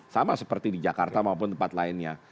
sama seperti di jakarta maupun tempat lainnya